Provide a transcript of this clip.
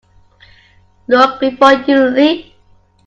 Look before you leap.